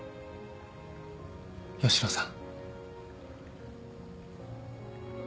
吉野さん。